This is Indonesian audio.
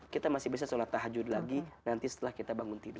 kita masih bisa sholat tahajud lagi nanti setelah kita bangun tidur